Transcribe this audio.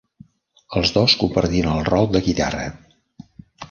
Els dos compartien el rol de guitarra.